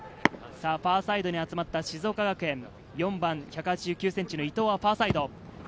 ファーサイドに集まった静岡学園、４番１８９ｃｍの伊東はファーサイド。